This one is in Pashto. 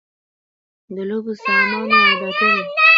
د لوبو سامان وارداتی دی؟